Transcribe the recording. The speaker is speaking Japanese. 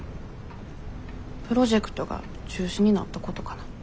プロジェクトが中止になったことかな。